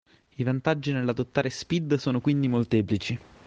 I vantaggi nell'adottare SPID sono quindi molteplici.